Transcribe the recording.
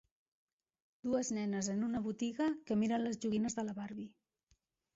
Dues nenes en una botiga que miren les joguines de la Barbie.